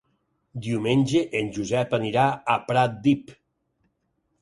Diumenge en Josep anirà a Pratdip.